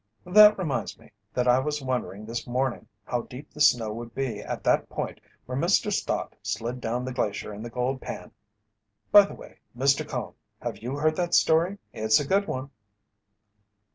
"That reminds me that I was wondering this morning how deep the snow would be at that point where Mr. Stott slid down the glacier in the gold pan. By the way, Mr. Cone, have you heard that story? It's a good one."